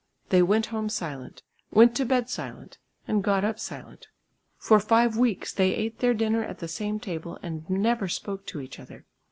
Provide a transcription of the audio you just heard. They went home silent; went to bed silent; and got up silent. For five weeks they ate their dinner at the same table and never spoke to each other.